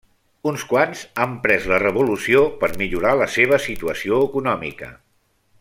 Uns quants han pres la revolució per millorar la seva situació econòmica.